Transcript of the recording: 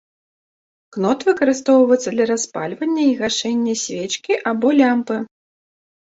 Кнот выкарыстоўваецца для распальвання і гашэння свечкі або лямпы.